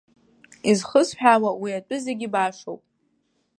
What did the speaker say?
Изхысҳәаауа, уи атәы зегьы башоуп.